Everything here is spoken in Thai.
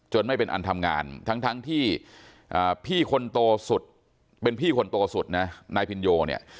จนไม่เป็นอนธรรมงานแถมที่พี่คนต่อสุดเป็นพี่คนต่อสุดนายพินโย